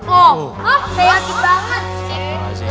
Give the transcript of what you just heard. hah saya yakin banget sih